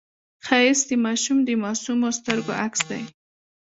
ښایست د ماشوم د معصومو سترګو عکس دی